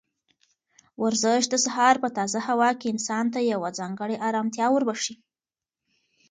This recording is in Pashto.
ورزش د سهار په تازه هوا کې انسان ته یوه ځانګړې ارامتیا وربښي.